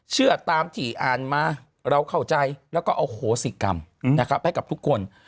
เชื่อตามที่อ่านมาเราเข้าใจแล้วก็อโหสิกรรมนะครับให้กับทุกคน